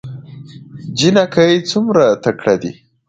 جينکۍ څومره تکړه دي